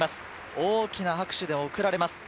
大きな拍手で送られます。